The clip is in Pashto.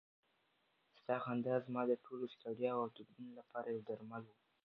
ستا خندا زما د ټولو ستړیاوو او دردونو لپاره یو درمل و.